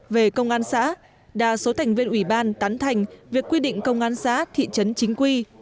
về công an xã đa số thành viên ủy ban tán thành việc quy định công an xã thị trấn chính quy